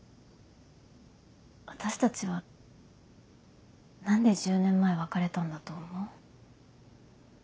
私たちは何で１０年前別れたんだと思う？